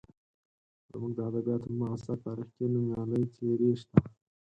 زموږ د ادبیاتو په معاصر تاریخ کې نومیالۍ څېرې شته.